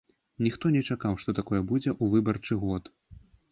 Ніхто не чакаў, што такое будзе ў выбарчы год.